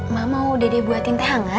mak mau dede buatin teh hangat